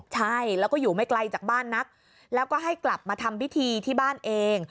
ใช่แล้วก็อยู่ไม่ไกลจากบ้านนักแล้วก็ให้กลับมาทำพิธีที่บ้านเอง